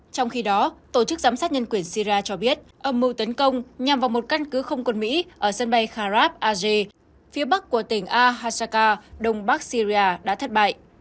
trong khi đó tổ chức giám sát nhân quyền sira cho biết âm mưu tấn công nhằm vào một căn cứ không quân mỹ ở sân bay kharab aze phía bắc của tỉnh a hasaka đông bắc syria đã thất bại